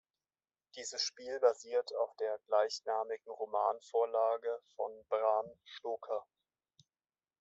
Dieses Spiel basiert auf der gleichnamigen Romanvorlage von Bram Stoker.